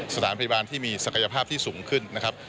สถานพยาบาลที่มีศักยภาพที่สูงขึ้นนะครับ